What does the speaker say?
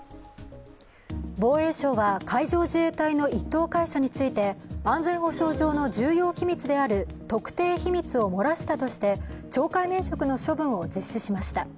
防衛省は海上自衛隊の１等海佐について安全保障上の重要機密である特定秘密をもらしたとして懲戒免職の処分を実施しました。